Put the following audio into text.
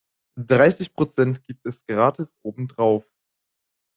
Dreißig Prozent gibt es gratis obendrauf.